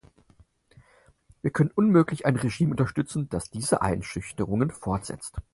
Wir können unmöglich ein Regime unterstützen, das diese Einschüchterungen fortsetzt.